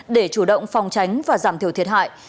để chủ động phòng tránh và giảm thiểu thiệt hại